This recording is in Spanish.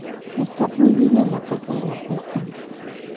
Está prohibida la caza y la pesca.